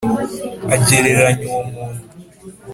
agereranya uwo muntu